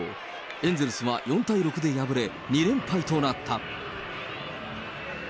エンゼルスは４対６で敗れ、２連敗となった。